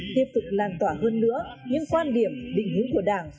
tiếp tục lan tỏa hơn nữa những quan điểm định hướng của đảng